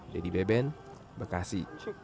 dedy beben bekasi